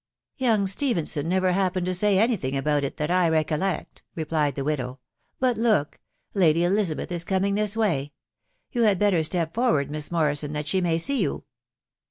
" Young Stephenson never happened to say any thing about it that I recollect," replied the widow. ..." But, look ! Lady Elizabeth is coming this way. ••. You had better step for ward, Miss Morrison, that she may see you."